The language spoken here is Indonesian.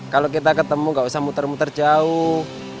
kalau kita ketemu gak usah muter muter jauh